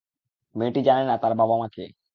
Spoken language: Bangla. মেয়েটি জানে না, তার বাবা-মা কে।